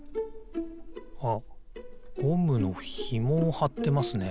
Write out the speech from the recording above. あっゴムのひもをはってますね。